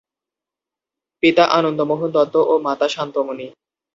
পিতা আনন্দমোহন দত্ত ও মাতা শান্তমণি।